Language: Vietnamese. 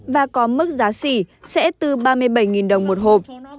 và có mức giá xỉ sẽ từ ba mươi bảy đồng một hộp